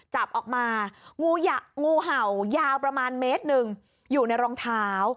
จับออกมางูเห่ายาวประมาณเมตรหนึ่งอยู่ในรองเท้า